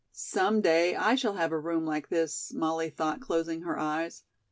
"Some day I shall have a room like this," Molly thought, closing her eyes.